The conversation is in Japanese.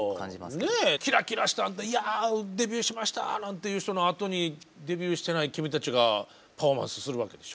キラキラした「いやデビューしました」なんていう人のあとにデビューしてない君たちがパフォーマンスするわけでしょ？